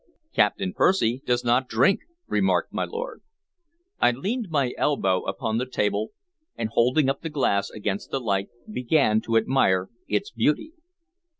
"Captain Percy does not drink," remarked my lord. I leaned my elbow upon the table, and, holding up the glass against the light, began to admire its beauty.